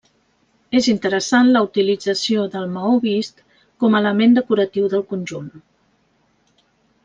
És interessant la utilització del maó vist com a element decoratiu del conjunt.